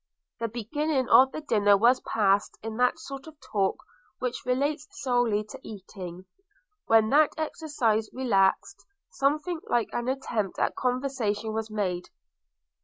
The beginning of the dinner was passed in that sort of talk which relates solely to eating: when that exercise relaxed, something like an attempt at conversation was made.